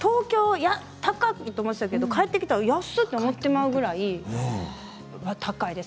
東京高いと思っていたけれども、安いと思ってしまうぐらい高いです。